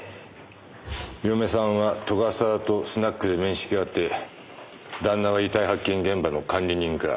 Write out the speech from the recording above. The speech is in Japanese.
嫁さんは斗ヶ沢とスナックで面識があって旦那は遺体発見現場の管理人か。